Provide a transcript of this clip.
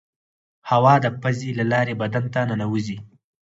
هوا د پزې له لارې بدن ته ننوزي.